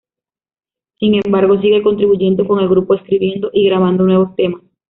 Sin embargo, sigue contribuyendo con el grupo escribiendo y grabando nuevos temas.